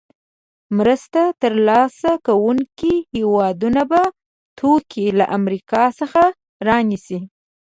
مرسته تر لاسه کوونکې هېوادونه به توکي له امریکا څخه رانیسي.